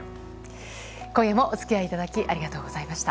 今夜もお付き合いいただきありがとうございました。